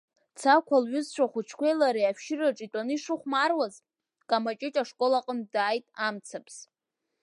Цақәа лҩызцәа ахәыҷқәеи лареи ашәшьыраҿы итәаны ишыхәмаруаз, Камаҷыҷ ашкол аҟынтә дааит Амцабз…